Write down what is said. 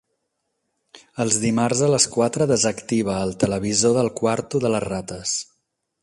Els dimarts a les quatre desactiva el televisor del quarto de les rates.